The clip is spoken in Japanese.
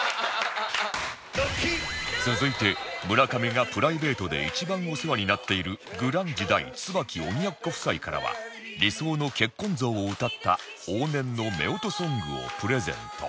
続いて村上がプライベートで一番お世話になっているグランジ大椿鬼奴夫妻からは理想の結婚像を歌った往年の夫婦ソングをプレゼント